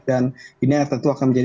dan ini yang tentu akan menjadi